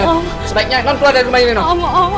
ayo sebaiknya om keluar dari rumah ini om